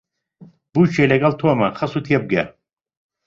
بووکێ لەگەڵ تۆمە خەسوو تێبگە